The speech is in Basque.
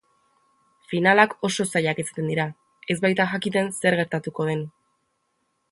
Finalak oso zailak izaten dira ez baita jakiten zer gertatuko den.